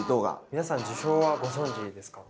皆さん樹氷はご存じですか？